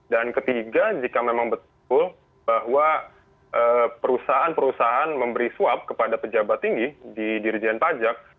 dan ketiga jika memang betul bahwa perusahaan perusahaan memberi swab kepada pejabat tinggi di dirjen pajak